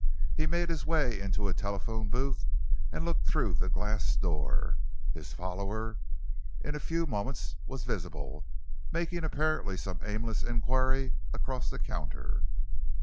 He made his way into a telephone booth and looked through the glass door. His follower in a few moments was visible, making apparently some aimless enquiry across the counter.